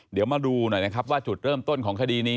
เดี๋ยวมาดูหน่อยนะครับว่าจุดเริ่มต้นของคดีนี้